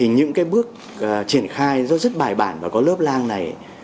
những bước triển khai rất bài bản và có lớp lang này